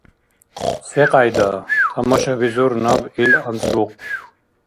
— Секьяйда? — тамашабизур наб ил анцӀбукь.